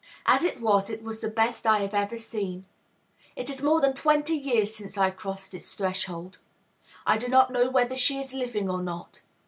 As it was, it was the best I have ever seen. It is more than twenty years since I crossed its threshold. I do not know whether she is living or not.